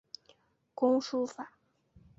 工书法。